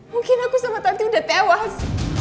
mungkin aku sama tante udah tewas